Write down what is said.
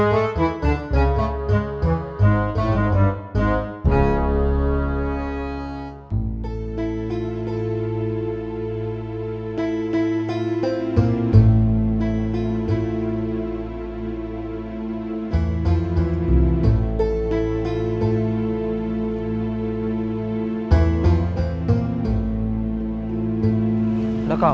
bilang aku sudah